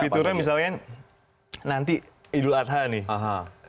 fiturnya misalnya nanti idul adha nih